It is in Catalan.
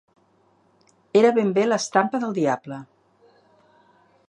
Era ben bé l'estampa del diable.